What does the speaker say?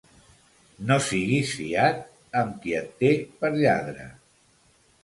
No siguis fiat amb qui et té per lladre.